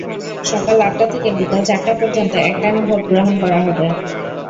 সকাল আটটা থেকে বিকেল চারটা পর্যন্ত একটানা ভোট গ্রহণ করা হবে।